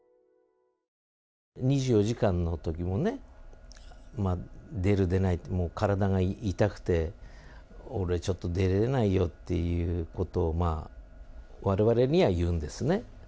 ２４時間のときもね、出る、出ないって、もう体が痛くて、俺、ちょっと出れないよっていうことを、まあ、われわれには言うんですね。